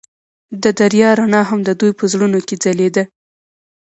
د دریا رڼا هم د دوی په زړونو کې ځلېده.